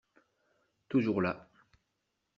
Toujours là